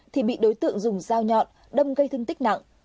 thì bị đối tượng dùng dao nhọn đâm gây thương tích nặng